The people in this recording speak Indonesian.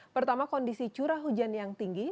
pertama kondisi curah hujan yang tinggi